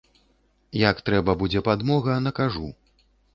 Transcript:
Як трэба будзе падмога, накажу.